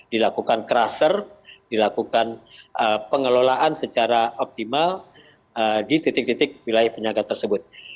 dilakukan cluster dilakukan pengelolaan secara optimal di titik titik wilayah penyaga tersebut